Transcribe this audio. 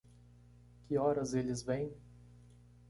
Que horas eles vêm?